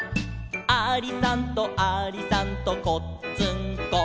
「ありさんとありさんとこっつんこ」